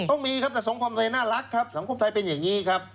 ต้องมีครับแต่สงครามไทยน่ารักครับสังคมไทยเป็นอย่างนี้ครับ